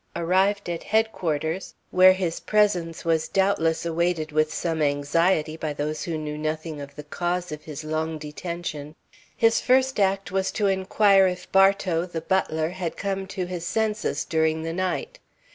Arrived at Headquarters, where his presence was doubtless awaited with some anxiety by those who knew nothing of the cause of his long detention, his first act was to inquire if Bartow, the butler, had come to his senses during the night.